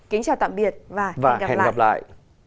kính chào tạm biệt và hẹn gặp lại